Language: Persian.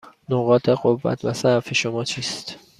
نقاط قوت و ضعف شما چیست؟